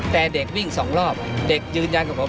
แต่เด็กวิ่งสองรอบเด็กยืนยันกับผม